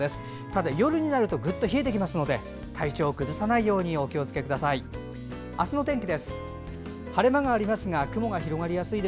ただ、夜はぐっと冷えますので体調を崩さないようお気をつけください。